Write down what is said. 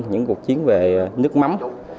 những cuộc chiến về nước mắm